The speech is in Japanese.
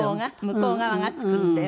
向こう側が作って？